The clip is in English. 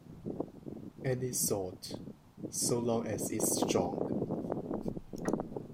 Any sort, so long as it's strong.